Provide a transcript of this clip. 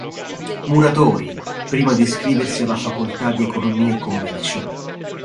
Muratori, prima di iscriversi alla facoltà di economia e commercio.